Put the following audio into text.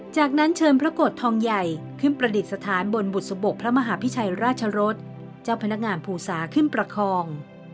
จากนั้นเชิญพระโกรธทองใหญ่ขึ้นประดิษฐานบนบุษบกพระมหาพิชัยราชรสเจ้าพนักงานภูสาขึ้นประคอง